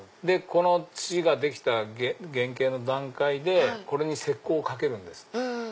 この土ができた原型の段階でこれに石こうをかけるんです。